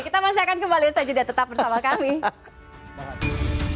kita akan kembali saja dan tetap bersama kami